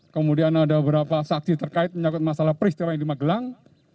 kemudian ada beberapa saksi terkait menyakut masalah peristiwa yang di magelang